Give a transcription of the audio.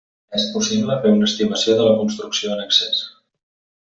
És possible fer una estimació de la construcció en excés.